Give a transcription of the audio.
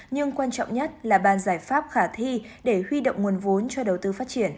nhưng quan trọng nhất là bàn giải pháp khả thi để huy động nguồn vốn cho đầu tư phát triển